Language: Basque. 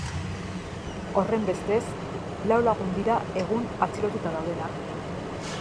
Horrenbestez, lau lagun dira egun atxilotuta daudenak.